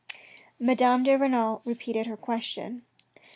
Madame de Renal repeated her question.